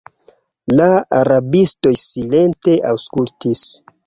La rabistoj silente aŭskultis.